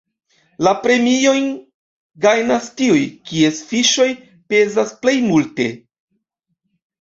La premiojn gajnas tiuj, kies fiŝoj pezas plej multe.